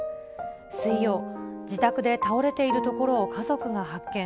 水曜、自宅で倒れているところを家族が発見。